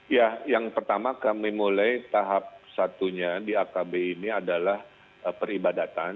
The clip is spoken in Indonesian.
ya yang pertama kami mulai tahap satunya di akb ini adalah peribadatan